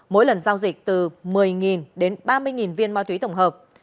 mỗi lần giao dịch từ một mươi đến ba mươi viên ma túy tổng hợp